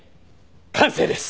完成です！